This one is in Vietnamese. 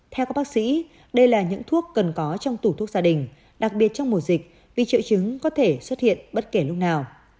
theo các bác sĩ đây là những thuốc cần có trong tủ thuốc gia đình đặc biệt trong mùa dịch vì triệu chứng có thể xuất hiện bất kể lúc nào